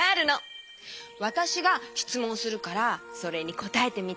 わたしがしつもんするからそれにこたえてみて。